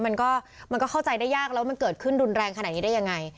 มันก็มันก็เข้าใจได้ยากแล้วว่ามันเกิดขึ้นรุนแรงขนาดนี้ได้ยังไง